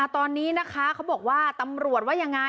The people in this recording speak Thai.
ตอนนี้นะคะเขาบอกว่าตำรวจว่ายังไง